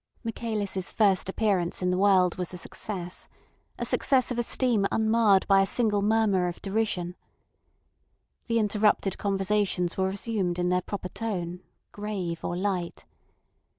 Michaelis' first appearance in the world was a success—a success of esteem unmarred by a single murmur of derision. The interrupted conversations were resumed in their proper tone, grave or light.